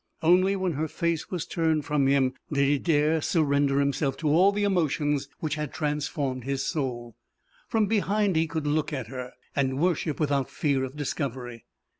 Only when her face was turned from him did he dare surrender himself at all to the emotions which had transformed his soul. From behind he could look at her, and worship without fear of discovery.